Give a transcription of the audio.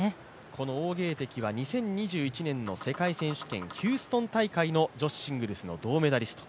この王ゲイ迪は２０２１年の世界選手権ヒューストン大会の女子シングルスの銅メダリスト。